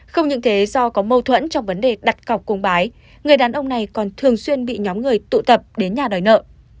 không những thế do có mâu thuẫn trong vấn đề đặt cọc cùng bái người đàn ông này còn thường xuyên bị nhóm người tụ tập đến nhà đòi nợ